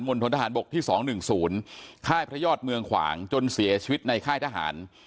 ณฑนทหารบกที่๒๑๐ค่ายพระยอดเมืองขวางจนเสียชีวิตในค่ายทหาร